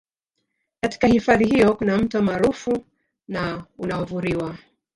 Katika hifadhi hiyo kuna Mto maarufu na unaovuriwa